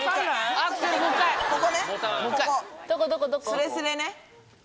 スレスレね。